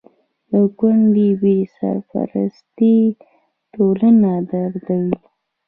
د کونډو بې سرپرستي ټولنه دردوي.